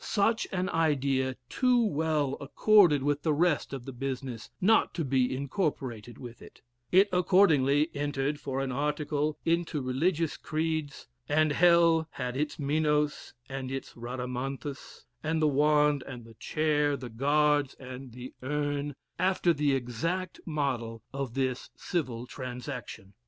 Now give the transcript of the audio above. Such an idea too well accorded with the rest of the business not to be incorporated with it; it accordingly entered for an article into religious creeds, and hell had its Minos and its Radamanthus, with the wand, the chair, the guards, and the urn, after the exact model of this civil transaction.